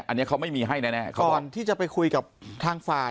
อันนี้เขาไม่มีให้แน่ก่อนที่จะไปคุยกับทางฝ่าย